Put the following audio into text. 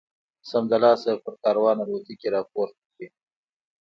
سمدلاسه پر کاروان الوتکې را پورته کړي.